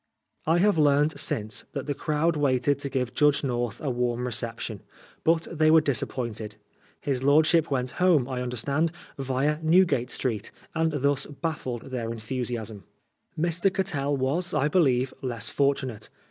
'* I have learnt since that the crowd waited to give Judge North a warm reception. But they were disap pointed. His lordship went home, I understand, via Newgate Street, and thus baffled their enthusiasm. Mr. Cattell was, I believe, less fortunate.